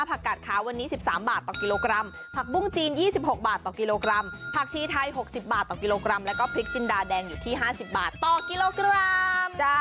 หกสิบบาทต่อกิโลกรัมผักชี้ไทยหกสิบบาทต่อกิโลกรัมแล้วก็พริกจินดาแดงอยู่ที่ห้าสิบบาทต่อกิโลกรัม